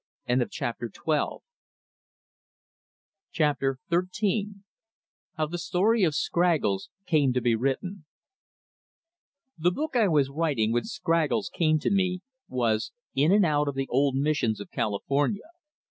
Chapter XIII How the Story of Scraggles came to be Written The book I was writing when Scraggles came to me was "In and Out of the Old Missions of California."